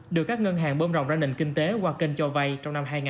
được các ngân hàng bơm rồng ra nền kinh tế qua kênh cho vai trong năm hai nghìn hai mươi ba